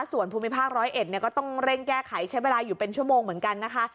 ส่วนภูมิภาค๑๐๑ก็ต้องเร่งแก้ไขใช้เวลาอยู่เป็นชั่วโมงเหมือนกันนะคะ